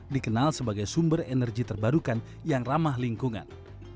dikenal sebagai sumber energi terbarukan yang ramah lingkungan